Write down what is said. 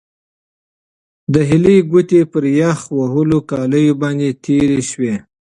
د هیلې ګوتې پر یخ وهلو کالیو باندې تېرې شوې.